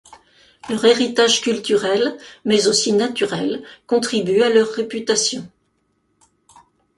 Leur héritage culturel, mais aussi naturel, contribue à leur réputation.